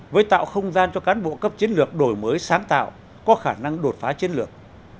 với tạo không gian cho cán bộ cấp chiến lược đổi mới sáng tạo có khả năng đột phá chiến lược